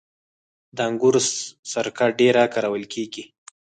د انګورو سرکه ډیره کارول کیږي.